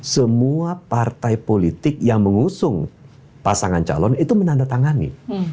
semua partai politik yang mengusung pasangan calon itu menandatangani